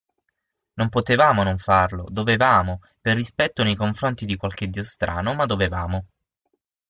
Non potevamo non farlo, dovevamo, per rispetto nei confronti di qualche dio strano, ma dovevamo.